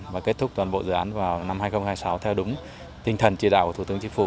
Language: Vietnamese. và kết thúc toàn bộ dự án vào năm hai nghìn hai mươi sáu theo đúng tinh thần chỉ đạo của thủ tướng chính phủ